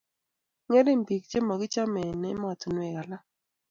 Ngering biik chemagichame eng emetinwek alak